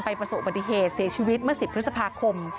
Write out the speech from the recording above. ประสบปฏิเหตุเสียชีวิตเมื่อ๑๐พฤษภาคม